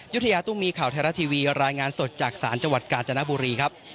ยุธยาตุ้มีข่าวไทยรัฐทีวีรายงานสดจากศาลจังหวัดกาญจนบุรีครับ